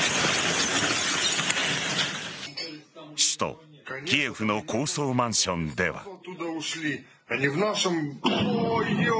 首都・キエフの高層マンションでは。